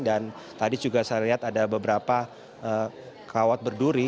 dan tadi juga saya lihat ada beberapa kawat berduri